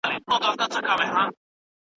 د مېږیو لښکر څه وايی پانوس ته